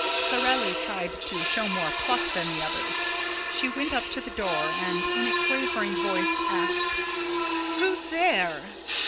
Sorelli tried to show more pluck than the others. She went up to the door and, in a quavering voice, asked: "Who's there?"